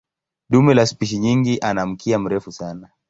Dume la spishi nyingi ana mkia mrefu sana.